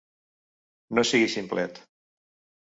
No siguis ximplet!